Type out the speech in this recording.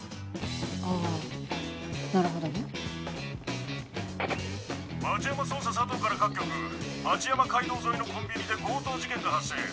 あぁなるほどね。町山捜査佐藤から各局町山街道沿いのコンビニで強盗事件が発生。